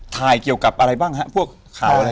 ถ่ายเกี่ยวกับอะไรบ้างฮะพวกข่าวอะไร